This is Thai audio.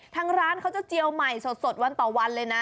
ทางร้านเขาจะเจียวใหม่สดวันต่อวันเลยนะ